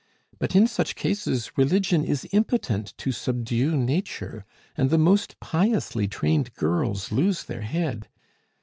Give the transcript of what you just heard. "But in such cases religion is impotent to subdue nature, and the most piously trained girls lose their head!